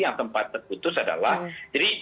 yang tempat terputus adalah